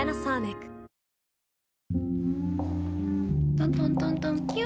トントントントンキュ。